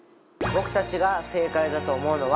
僕たちが正解だと思うのは。